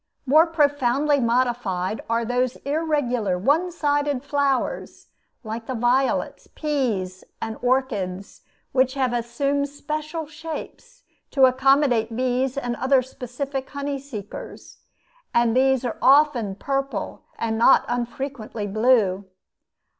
More profoundly modified are those irregular one sided flowers, like the violets, peas, and orchids, which have assumed special shapes to accommodate bees and other specific honey seekers; and these are often purple and not unfrequently blue.